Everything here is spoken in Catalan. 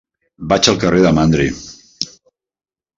Vaig al carrer de Mandri.